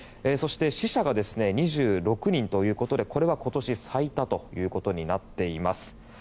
そして死者が２６人ということでこれは今年最多ということになっています。